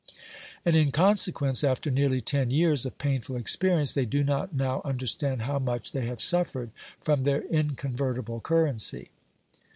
And in consequence, after nearly ten years of painful experience, they do not now understand how much they have suffered from their inconvertible currency.